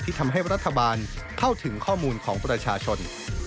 ทำให้รัฐบาลเข้าถึงข้อมูลของประชาชน